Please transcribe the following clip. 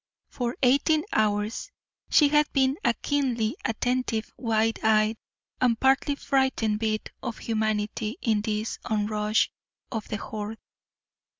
For eighteen hours she had been a keenly attentive, wide eyed, and partly frightened bit of humanity in this onrush of "the horde."